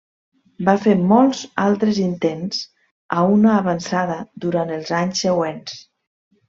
Va fer molts altres intents a una avançada durant els anys següents.